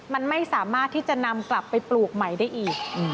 มันไม่สามารถที่จะนำกลับไปปลูกใหม่ได้อีก